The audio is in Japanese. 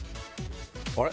あれ？